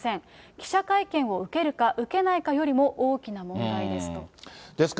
記者会見を受けるか受けないかよりも大きな問題ですと。